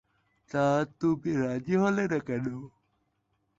তা তুমি রাজি হলে না কেন?